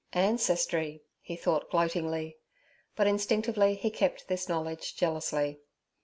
Ancestry, he thought gloatingly—but instinctively he kept this knowledge jealously.